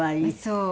そう。